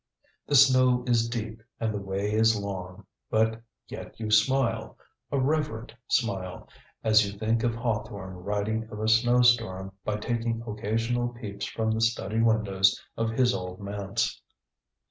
The snow is deep and the way is long, but yet you smile a reverent smile as you think of Hawthorne writing of a snow storm by taking occasional peeps from the study windows of his old manse.